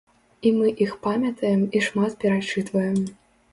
І мы іх памятаем і шмат перачытваем.